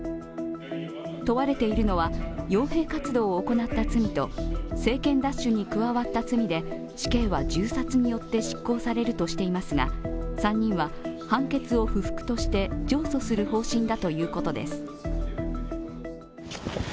問われているのはよう兵活動を行った罪と政権奪取に加わった罪で死刑は銃殺によって執行されるとしていますが３人は判決を不服として上訴する方針だということです。